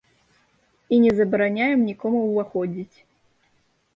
І не забараняем нікому ўваходзіць.